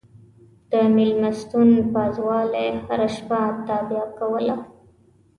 د مېلمستون پازوالې هره شپه تابیا کوله.